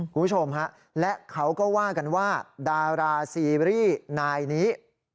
คุณผู้ชมฮะและเขาก็ว่ากันว่าดาราซีรีส์นายนี้